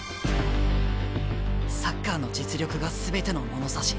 サッカーの実力が全ての物差し。